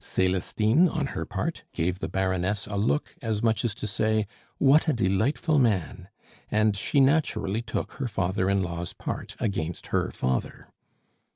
Celestine, on her part, gave the Baroness a look, as much as to say, "What a delightful man!" and she naturally took her father in law's part against her father.